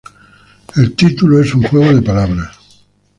El título es un juego de palabras.